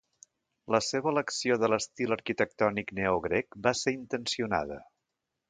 La seva elecció de l'estil arquitectònic neogrec va ser intencionada.